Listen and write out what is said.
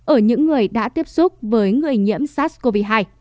ở những người đã tiếp xúc với người nhiễm sars cov hai